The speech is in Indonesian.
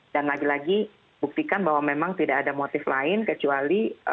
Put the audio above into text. dan lagi lagi buktikan bahwa memang tidak ada motif lain kecuali